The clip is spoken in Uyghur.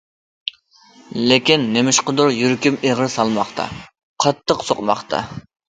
لېكىن نېمىشقىدۇر يۈرىكىم ئېغىر سالماقتا، قاتتىق سوقماقتا.